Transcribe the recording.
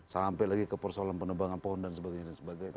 sampai lagi ke persoalan penebangan pohon dan sebagainya